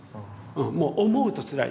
もう思うとつらい。